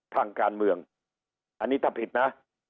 ทางการเมืองอันนี้ถ้าผิดนะ